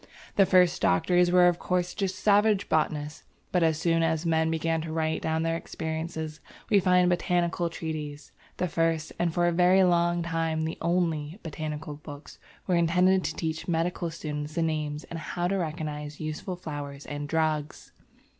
The first doctors were of course just savage botanists, but as soon as men began to write down their experiences, we find botanical treatises. The first, and for a very long time the only, botanical books were intended to teach medical students the names and how to recognize useful flowers and drugs.